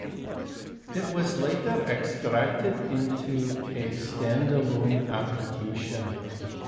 It was later extracted into a stand-alone application.